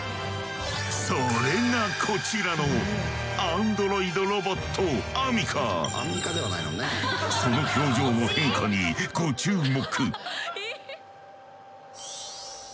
それがこちらのその表情の変化にご注目。